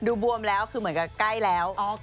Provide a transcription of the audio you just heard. บวมแล้วคือเหมือนกับใกล้แล้ว